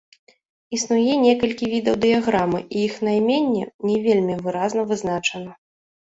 Існуе некалькі відаў дыяграмы, і іх найменне не вельмі выразна вызначана.